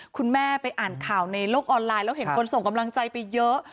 คุณแม่ไปอ่านข่าวในโลกออนไลน์แล้วเห็นคนส่งกำลังใจไปเยอะ